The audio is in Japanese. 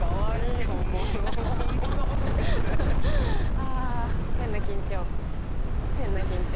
ああ変な緊張変な緊張。